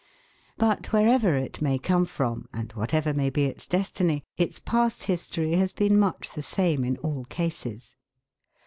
But wherever it may come from and whatever may be its destiny, its past history has been much the same in all cases.